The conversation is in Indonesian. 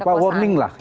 saya kira itu anggap ya